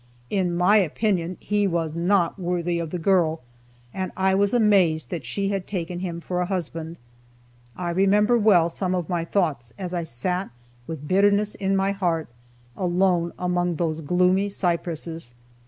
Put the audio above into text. In my opinion, he was not worthy of the girl, and I was amazed that she had taken him for a husband. I remember well some of my thoughts as I sat with bitterness in my heart, alone among those gloomy cypresses.